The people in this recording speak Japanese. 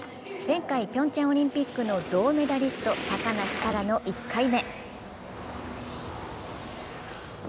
前回、ピョンチャンオリンピックの銅メダリスト・高梨沙羅の１回目。